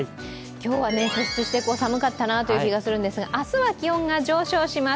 今日は寒かったなという気がするんですが、明日は気温が上昇します。